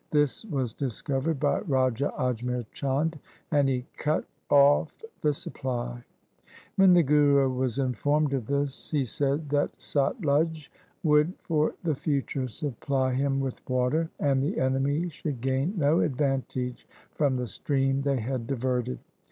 This was discovered by Raja Ajmer Chand, and he cut off the supply. 176 THE SIKH RELIGION When the Guru was informed of this, he said the Satluj would for the future supply him with water, and the enemy should gain no advantage from the stream they had diverted.